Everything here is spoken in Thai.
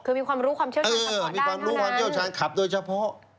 คือมีความรู้ความเชี่ยวชาญขับต่อด้านเท่านั้นเออมีความรู้ความเชี่ยวชาญขับโดยเฉพาะ